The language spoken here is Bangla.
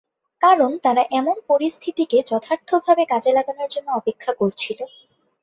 কারণ, তারা এমন পরিস্থিতিকে যথার্থভাবে কাজে লাগানোর জন্য অপেক্ষা করছিল।